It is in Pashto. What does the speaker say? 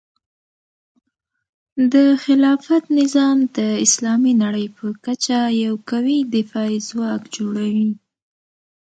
د خلافت نظام د اسلامي نړۍ په کچه یو قوي دفاعي ځواک جوړوي.